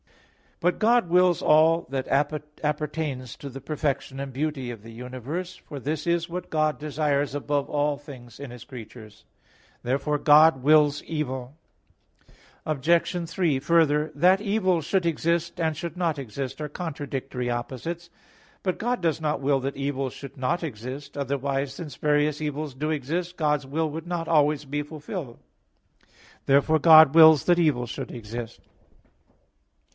But God wills all that appertains to the perfection and beauty of the universe, for this is what God desires above all things in His creatures. Therefore God wills evil. Obj. 3: Further, that evil should exist, and should not exist, are contradictory opposites. But God does not will that evil should not exist; otherwise, since various evils do exist, God's will would not always be fulfilled. Therefore God wills that evil should exist.